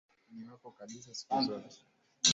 Ni wako kabisa, siku zote.